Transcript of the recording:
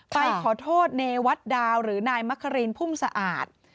ไปขอโทษเนวัดดาวหรือนายมะครีนพุ่มสะอาด